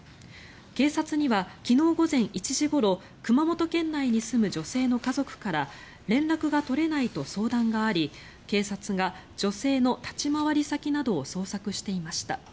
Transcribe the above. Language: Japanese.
警察には昨日午前１時ごろ熊本県内に住む女性の家族から連絡が取れないと相談があり警察が女性の立ち回り先などを捜索していました。